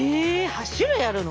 ８種類あるの？